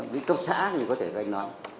với cấp xã thì có thể gánh nó